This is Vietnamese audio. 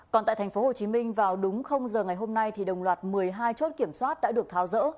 còn tại tp hcm vào đúng giờ ngày hôm nay thì đồng loạt một mươi hai chốt kiểm soát đã được tháo rỡ